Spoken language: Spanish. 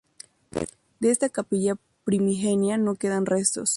De esta capilla primigenia no quedan restos.